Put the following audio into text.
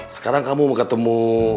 sekarang kamu mau ketemu